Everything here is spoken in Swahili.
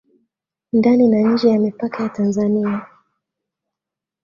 ndani na nje ya mipaka ya Tanzania